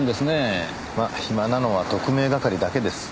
まあ暇なのは特命係だけですか。